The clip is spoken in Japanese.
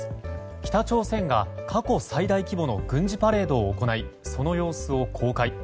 北朝鮮が過去最大規模の軍事パレードを行いその様子を公開。